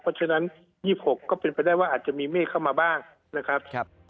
เพราะฉะนั้น๒๖ก็เป็นไปได้ว่าอาจจะมีเมฆเข้ามาบ้างนะครับ